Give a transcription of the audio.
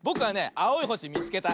あおいほしみつけた。